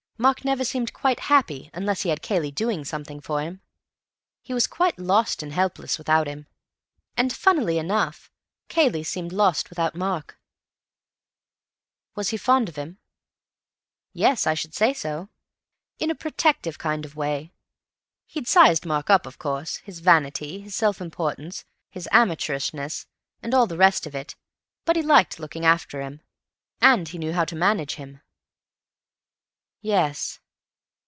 Mark never seemed quite happy unless he had Cayley doing something for him. He was quite lost and helpless without him. And, funnily enough, Cayley seemed lost without Mark." "He was fond of him?" "Yes, I should say so. In a protective kind of way. He'd sized Mark up, of course—his vanity, his self importance, his amateurishness and all the rest of it—but he liked looking after him. And he knew how to manage him." "Yes....